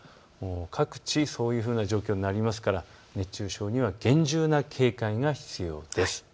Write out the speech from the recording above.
各地、そういうふうな状況になりますから熱中症には厳重な警戒が必要です。